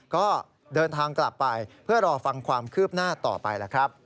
ก็เดินทางกลับไปเพื่อรอฟังความคืบหน้าต่อไปล่ะครับ